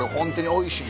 おいしい。